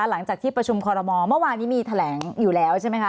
หลังจากที่ประชุมคอรมอลเมื่อวานนี้มีแถลงอยู่แล้วใช่ไหมคะ